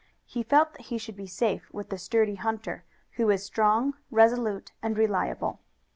He felt that he should be safe with the sturdy hunter, who was strong, resolute and reliable.